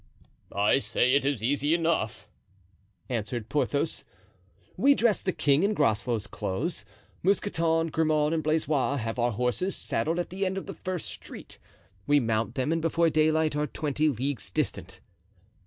"I say it is easy enough," answered Porthos. "We dress the king in Groslow's clothes. Mousqueton, Grimaud and Blaisois have our horses saddled at the end of the first street. We mount them and before daylight are twenty leagues distant."